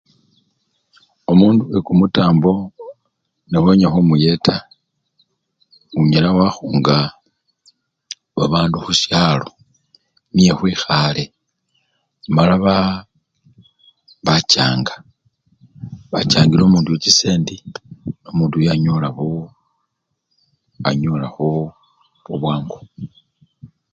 Omundu wekumutambo nowenya khumuyeta, onyala wakhunga babandu khusyalo, niyokhwikhale mala baa! bachanga, bachangila omundu oyo chisendi, nomundu oyo anyola khu! anyola buu! bubwangu.